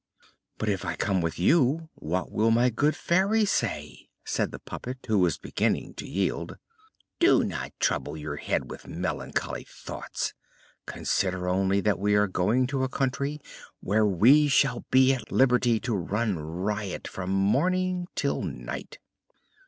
"But if I come with you, what will my good Fairy say?" said the puppet, who was beginning to yield. "Do not trouble your head with melancholy thoughts. Consider only that we are going to a country where we shall be at liberty to run riot from morning till night."